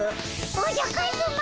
おじゃカズマ！